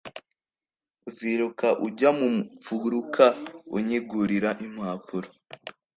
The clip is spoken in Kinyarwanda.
Uziruka ujya mu mfuruka unyigurira impapuro?